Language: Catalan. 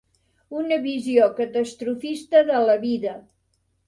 Una visió catastrofista de la vida.